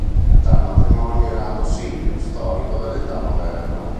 Dal matrimonio è nato Silvio, storico dell'età moderna.